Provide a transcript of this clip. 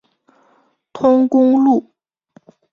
通公路。